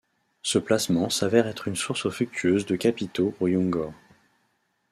Ce placement s'avère être une source fructueuse de capitaux pour Youngor.